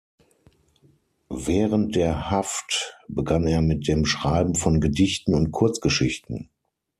Während der Haft begann er mit dem Schreiben von Gedichten und Kurzgeschichten.